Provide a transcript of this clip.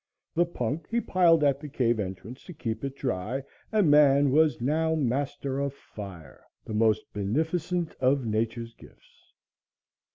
The punk he piled at the cave entrance to keep it dry, and man was now master of fire, the most beneficent of nature's gifts.